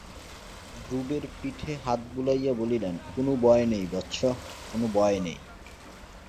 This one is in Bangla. ধ্রুবের পিঠে হাত বুলাইয়া বলিলেন, কোনো ভয় নেই বৎস, কোনো ভয় নেই।